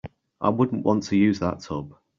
I wouldn't want to use that tub.